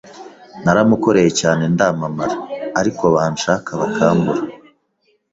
Naramukoreye cyane ndamamara ariko bancaka bakambura,